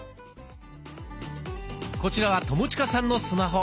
こちらは友近さんのスマホ。